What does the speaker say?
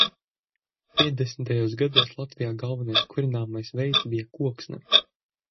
Piecdesmitajos gados Latvijā galvenais kurināmā veids bija koksne.